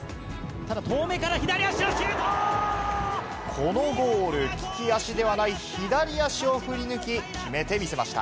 ただ、このゴール、利き足ではない左足を振り抜き、決めて見せました。